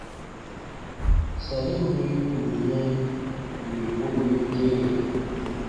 Sari wì u kun yɛ̃ wì u wii kere.